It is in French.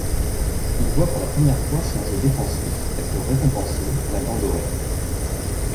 Il voit pour la première fois son jeu défensif être récompensé d'un Gant doré.